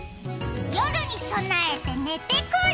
夜に備えて寝てくる。